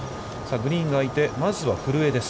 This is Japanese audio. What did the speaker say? グリーンがあいて、まずは古江です。